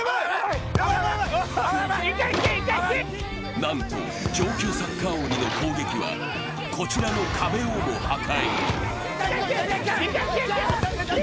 なんと上級サッカー鬼の攻撃はこちらの壁をも破壊。